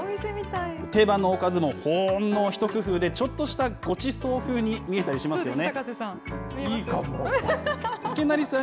定番のおかずも、ほんの一工夫で、ちょっとしたごちそう風に見えたりしますよね。